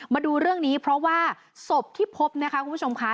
มาดูเรื่องนี้เพราะว่าศพที่พบนะคะคุณผู้ชมค่ะ